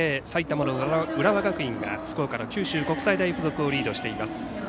埼玉の浦和学院が福岡の九州国際大付属をリードしています。